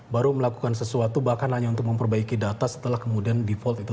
baru melakukan sesuatu bahkan hanya untuk memperbaiki data setelah kemudian default itu